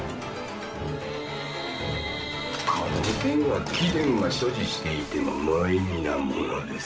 この剣は貴殿が所持していても無意味なものです。